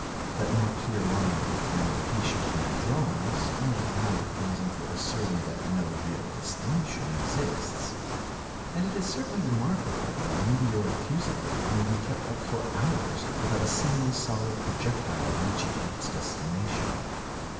That no clear line of demarcation can be drawn is no valid reason for asserting that no real distinction exists; and it is certainly remarkable that a meteoric fusillade may be kept up for hours without a single solid projectile reaching its destination.